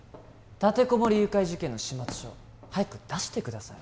立てこもり誘拐事件の始末書早く出してください